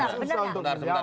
jangan jangan dulu sebentar